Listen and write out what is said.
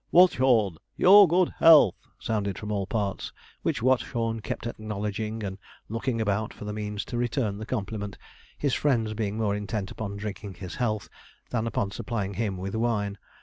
'Watchorn, your good health!' sounded from all parts, which Watchorn kept acknowledging, and looking about for the means to return the compliment, his friends being more intent upon drinking his health than upon supplying him with wine.